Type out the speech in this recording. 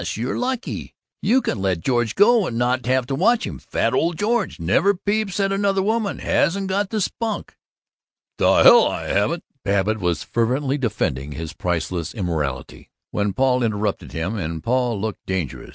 You're lucky! You can let George go, and not have to watch him. Fat old Georgie! Never peeps at another woman! Hasn't got the spunk!" "The hell I haven't!" Babbitt was fervently defending his priceless immorality when Paul interrupted him and Paul looked dangerous.